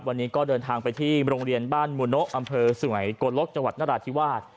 วันนี้ก็เดินทางไปที่โรงเรียนบ้านมูโนะอำเภอสุงัยโกลกจังหวัดนราธิวาส